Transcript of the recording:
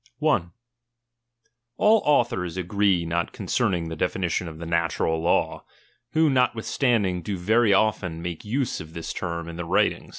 I. All authors agree not concerning the definition of the natural law, who notwithstanding do very 1 often nuike use of this term in their writing.